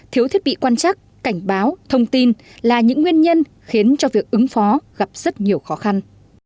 thiếu thiết bị quan chắc cảnh báo thông tin là những nguyên nhân khiến cho việc ứng phó gặp rất nhiều khó khăn